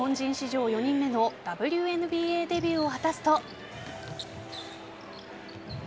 上４人目のＷＮＢＡデビューを果たすと。